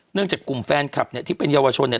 เนื่องจากกลุ่มแฟนคลับที่เป็นเยาวชน